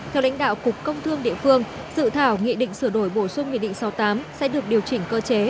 theo lãnh đạo cục công thương địa phương dự thảo nghị định sửa đổi bổ sung nghị định sáu mươi tám sẽ được điều chỉnh cơ chế